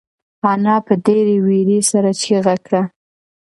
انا په ډېرې وېرې سره چیغه کړه.